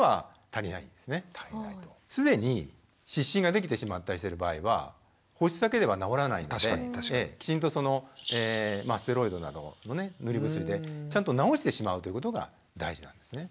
ただ既に湿疹ができてしまったりしてる場合は保湿だけでは治らないのできちんとそのステロイドなどのね塗り薬でちゃんと治してしまうということが大事なんですね。